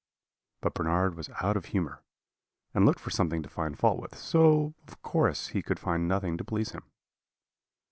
But Bernard was out of humour, and looked for something to find fault with, so of course he could find nothing to please him.